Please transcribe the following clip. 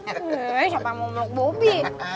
eh siapa mau muluk bobby